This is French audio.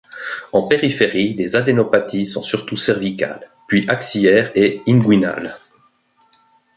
En périphérie les adénopathies sont surtout cervicales, puis axillaires et inguinales.